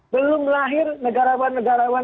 belum lahir negarawan negarawan